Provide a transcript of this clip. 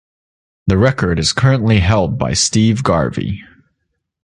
The record is currently held by Steve Garvey.